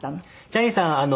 ジャニーさん。